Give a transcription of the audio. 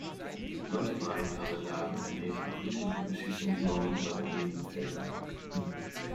Manche Wahllokale lagen in der Nähe von Friedhöfen, Erschießungsmauern oder in Minenfeldern.